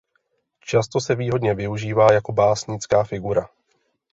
Často se výhodně využívá jako básnická figura.